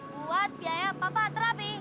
buat biaya papa terapi